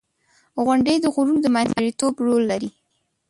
• غونډۍ د غرونو د منځګړیتوب رول لري.